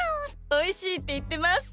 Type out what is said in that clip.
おいしいっていってます。